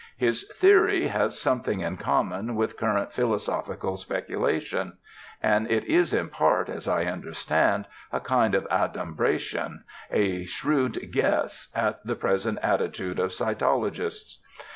His theory has something in common with current philosophical speculation, and it is in part, as I understand, a kind of adumbration, a shrewd guess, at the present attitude of cytologists.